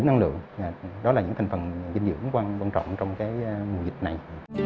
năng lượng đó là những thành phần dinh dưỡng quan trọng trong mùa dịch này